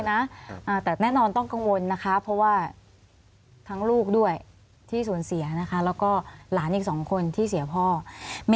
นะคะนะครับ